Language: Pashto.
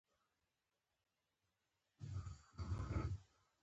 احمد په سوداګرۍ کې ښه سم درز و خوړ.